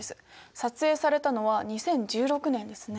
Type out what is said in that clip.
撮影されたのは２０１６年ですね。